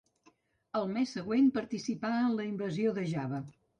Al mes següent participà en la invasió de Java.